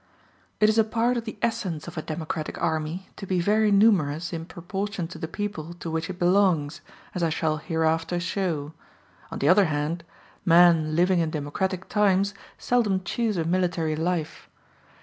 It is a part of the essence of a democratic army to be very numerous in proportion to the people to which it belongs, as I shall hereafter show. On the other hand, men living in democratic times seldom choose a military life.